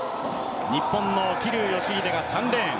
日本の桐生祥秀が３レーン。